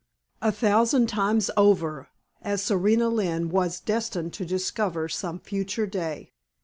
A thousand times over, as Serena Lynne was destined to discover some future day.